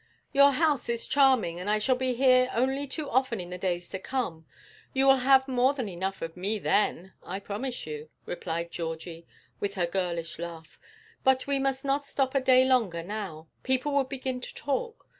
'Your house is charming, and I shall be here only too often in the days to come; you will have more than enough of me then, I promise you,' replied Georgie, with her girlish laugh, 'but we must not stop a day longer now. People would begin to talk.